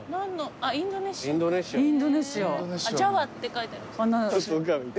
あっジャワって書いてあります。